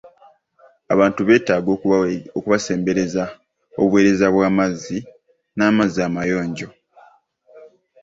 Abantu beetaaga okubasembereza obuweereza bw'amazzi n'amazzi amayonjo.